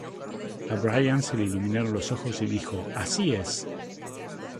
A Brian se le iluminaron los ojos y dijo 'Así es.